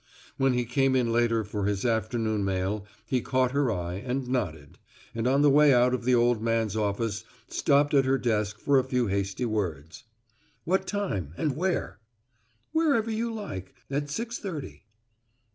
When he came in later for his afternoon mail he caught her eye and nodded, and on the way out of the old man's office stopped at her desk for a few hasty words: "What time, and where?" "Wherever you like at six thirty."